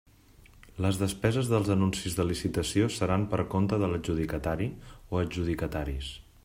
Les depeses dels anuncis de licitació seran per conte de l'adjudicatari o adjudicataris.